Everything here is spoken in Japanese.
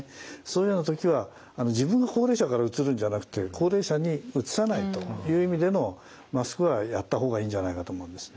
そういうような時は自分が高齢者からうつるんじゃなくて高齢者にうつさないという意味でのマスクはやった方がいいんじゃないかと思うんです。